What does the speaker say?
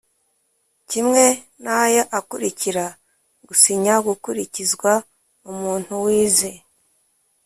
Kimwe n aya akurikira gusinya gukurikizwa umuntu wize